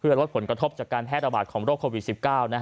เพื่อรวดผลกระทบจากการแพทย์อบาดของโรคโควิด๑๙